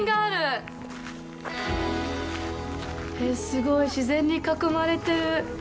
すごい、自然に囲まれてる。